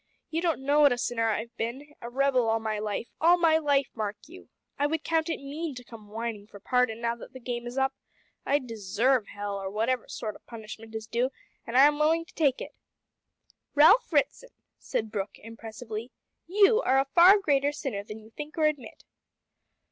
You don't know what a sinner I have been, a rebel all my life all my life, mark you. I would count it mean to come whining for pardon now that the game is up. I deserve hell or whatever sort o' punishment is due an' I'm willing to take it." "Ralph Ritson," said Brooke impressively, "you are a far greater sinner than you think or admit."